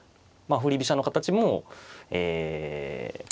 振り飛車の形もえま